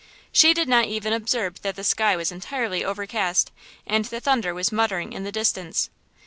She did not even observe that the sky was entirely overcast, and the thunder was muttering in the distance.